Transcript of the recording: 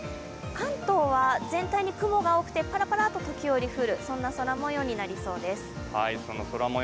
関東は、全体に雲が多くてぱらぱらっと時折降る、そんな空もようになりそうです。